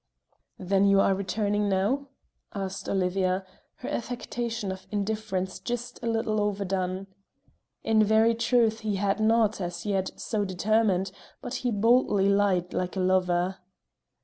"Then you are returning now?" asked Olivia, her affectation of indifference just a little overdone. In very truth he had not, as yet, so determined; but he boldly lied like a lover.